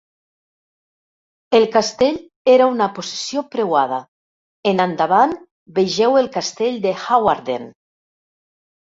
El castell era una possessió preuada en endavant, vegeu el castell de Hawarden.